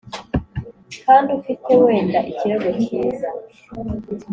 kandi ufite wenda ikirego cyiza